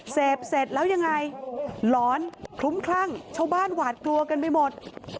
เสพเสร็จแล้วยังไงหลอนคลุ้มคลั่งชาวบ้านหวาดกลัวกันไปหมด